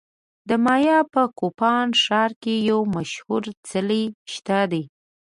د مایا په کوپان ښار کې یو مشهور څلی شته دی